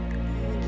gitu ya dong